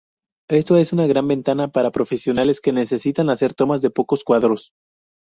Esto es una gran ventaja para profesionales que necesitan hacer tomas de pocos cuadros.